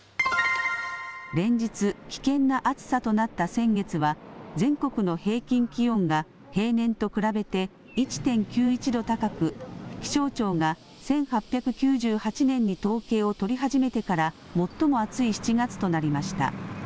連日、危険な暑さとなった先月は、全国の平均気温が平年と比べて１．９１度高く、気象庁が１８９８年に統計を取り始めてから最も暑い７月となりました。